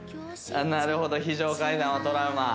なるほど非常階段はトラウマ